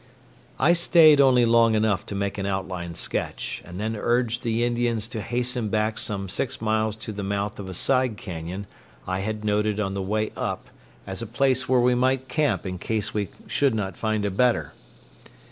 I stayed only long enough to make an outline sketch, and then urged the Indians to hasten back some six miles to the mouth of a side cañon I had noted on the way up as a place where we might camp in case we should not find a better.